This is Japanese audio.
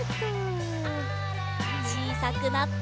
ちいさくなって。